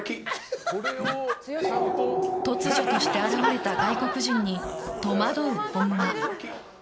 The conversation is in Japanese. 突如として現れた外国人に戸惑う本間。